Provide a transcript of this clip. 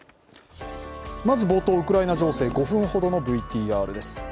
まず冒頭ウクライナ情勢、５分ほどのＶＴＲです。